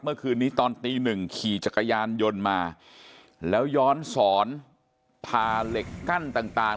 เมื่อคืนนี้ตอนตีหนึ่งขี่จักรยานยนต์มาแล้วย้อนสอนพาเหล็กกั้นต่าง